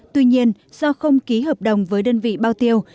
tuy nhiên do không ký hợp đồng với đơn vị bao tiêu